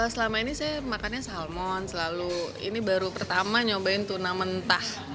selama ini saya makannya salmon selalu ini baru pertama nyobain tuna mentah